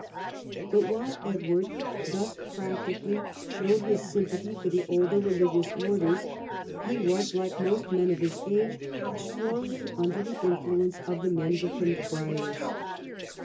But while Edward thus practically showed his sympathy for the older religious orders, he was, like most men of his age, strongly under the influence of the mendicant friars.